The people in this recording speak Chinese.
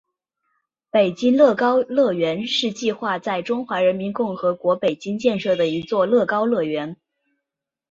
北京乐高乐园是计划在中华人民共和国北京建设的一座乐高乐园。